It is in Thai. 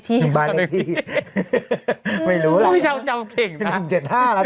พี่ชาวจำเก่งค่ะ